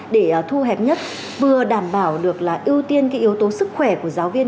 để thu hẹp nhất vừa đảm bảo được là ưu tiên cái yếu tố sức khỏe của giáo viên